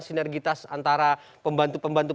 sinergitas antara pembantu pembantu